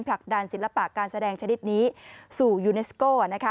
ผลักดันศิลปะการแสดงชนิดนี้สู่ยูเนสโก้